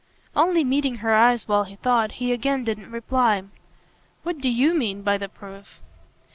Only meeting her eyes while he thought, he again didn't reply. "What do YOU mean by the proof?"